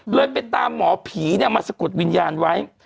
เลยไปตามหมอผีมาสะกดวิญญาณไว้